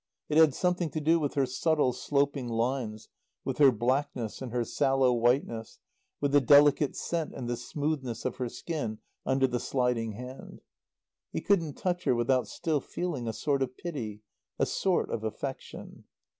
It had something to do with her subtle, sloping lines, with her blackness and her sallow whiteness, with the delicate scent and the smoothness of her skin under the sliding hand. He couldn't touch her without still feeling a sort of pity, a sort of affection.